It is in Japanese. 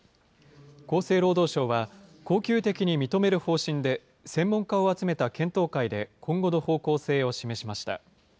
厚生労働省は、恒久的に認める方針で、専門家を集めた検討会で今後の方向性を示しました。